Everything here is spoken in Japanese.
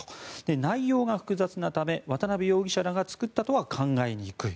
内容が複雑なため渡邉容疑者らが作ったとは考えにくい。